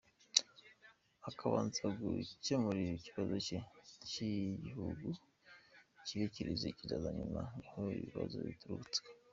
Akabanza gukemura ikibazo cye ngo icy’igihugu kibe kiretse kizaza nyuma. Niho ibibazo bituruka.”